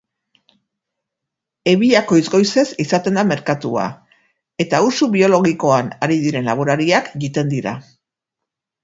Ebiakoitz goizez izaten da merkatua, eta usu biologikoan ari diren laborariak jiten dira.